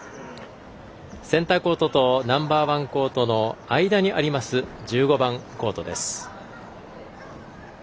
センターコートとナンバーワンコートの間にあります、１５番コートです。